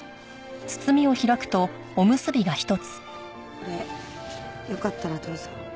これよかったらどうぞ。